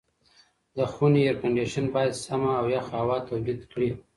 د خونې اېرکنډیشن باید سمه او یخه هوا تولید کړي.